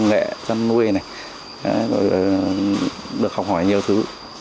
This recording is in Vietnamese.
được học hỏi nhiều thứ